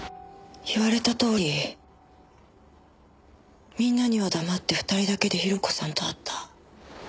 言われたとおりみんなには黙って２人だけで広子さんと会った。